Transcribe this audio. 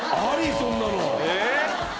そんなの。